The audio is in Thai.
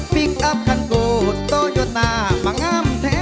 พลิกอัพคันโกดโตโยต้ามาง่ำแท้